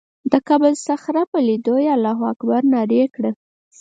د قبة الصخره په لیدو یې الله اکبر نارې کړه.